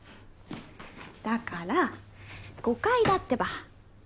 だから誤解だってば。